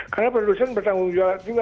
karena produsen bertanggung jawab juga